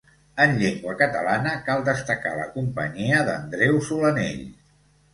En llengua catalana, cal destacar la companyia d'Andreu Solanell.